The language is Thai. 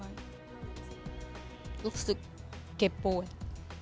แม่หนูขอโทษนะ